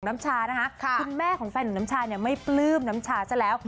น้ำชานะคะคุณแม่ของแฟนหนุ่มน้ำชาเนี่ยไม่ปลื้มน้ำชาซะแล้ว